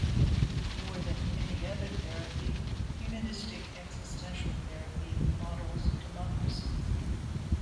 More than any other therapy, Humanistic-Existential therapy models democracy.